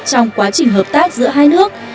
trong quá trình hợp tác giữa hai nước